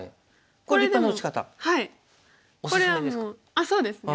あっそうですね。